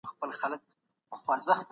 د برياليتوب لار علم ده.